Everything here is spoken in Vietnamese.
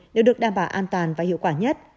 đều được đảm bảo an toàn và hiệu quả nhất